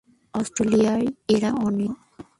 অস্ট্রেলিয়ায় এরা অনিয়মিত।